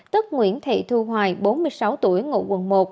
tức nguyễn thị thu hoài bốn mươi sáu tuổi ngụ quận một